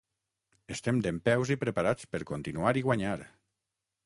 Estem dempeus i preparats per continuar i guanyar.